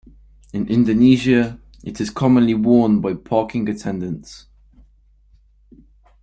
In Indonesia, it is commonly worn by parking attendants.